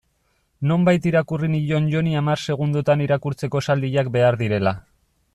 Nonbait irakurri nion Joni hamar segundotan irakurtzeko esaldiak behar direla.